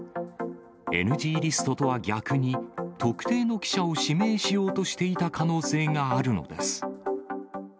ＮＧリストとは逆に、特定の記者を指名しようとしていた可能性があるのです。